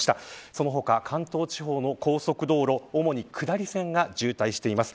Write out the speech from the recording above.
その他、関東地方の高速道路主に下り線が渋滞しています。